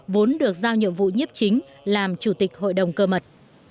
vốn được giao nhiệm vụ nhiếp chính làm chủ tịch hội đồng cơ mật